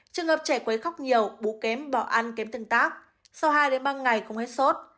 trường hợp trẻ quấy khóc nhiều bú kém bỏ ăn kém tương tác sau hai ba ngày không hết sốt